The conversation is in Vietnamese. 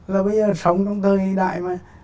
là bây giờ sống trong thời đại mà